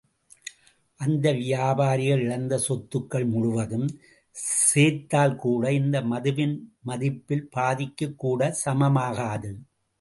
அந்த வியாபாரிகள் இழந்த சொத்துக்கள் முழுவதும் சேர்த்தால்கூட இந்த மதுவின் மதிப்பில் பாதிக்குக்கூடச் சமமாகாது.